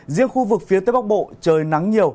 riêng khu vực phía tây bắc bộ trời nắng nhiều